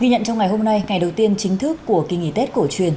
ghi nhận trong ngày hôm nay ngày đầu tiên chính thức của kỳ nghỉ tết cổ truyền